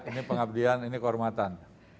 ini pengabdian ini kehormatan